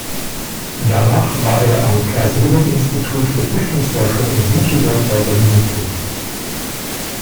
Danach war er am Kaiser-Wilhelm-Institut für Züchtungsforschung in Müncheberg bei Berlin tätig.